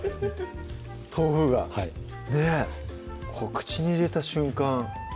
豆腐がはい口に入れた瞬間